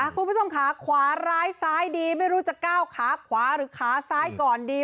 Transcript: คุณผู้ชมขาขวาร้ายซ้ายดีไม่รู้จะก้าวขาขวาหรือขาซ้ายก่อนดี